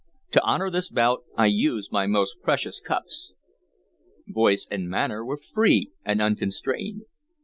"To honor this bout I use my most precious cups." Voice and manner were free and unconstrained.